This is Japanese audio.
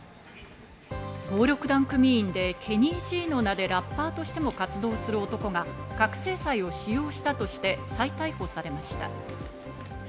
暴力団組員でＫＥＮＮＹ−Ｇの名でラッパーとしても活動する男が覚醒剤を使用したとして再逮捕されました。